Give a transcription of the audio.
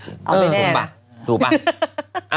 เอาเป็นแน่นะ